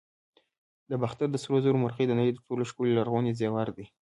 د باختر د سرو زرو مرغۍ د نړۍ تر ټولو ښکلي لرغوني زیور دی